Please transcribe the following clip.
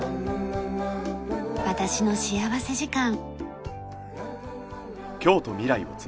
『私の幸福時間』。